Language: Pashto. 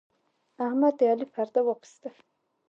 احمد د علي پرده واخيسته.